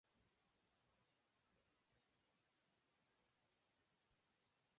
See also the list of kings of Cambodia.